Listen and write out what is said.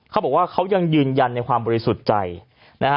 เขาบอกว่าเขายังยืนยันในความบริสุทธิ์ใจนะฮะ